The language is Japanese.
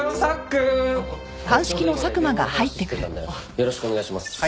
よろしくお願いします。